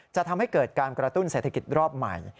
จะทำให้เกิดการกระตุ้นเศรษฐกิจรอบใหม่